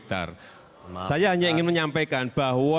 terima kasih pak saya hanya ingin menyampaikan bahwa